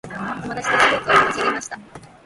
友達とスポーツを楽しみました。